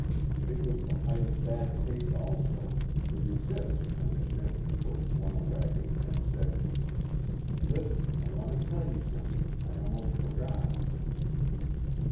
It was the height of bad taste also to resist when they gently pushed one away and said, "Listen, I want to tell you something. I almost forgot."